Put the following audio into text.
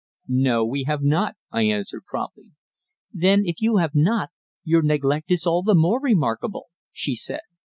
"No, we have not," I answered promptly. "Then if you have not, your neglect is all the more remarkable," she said.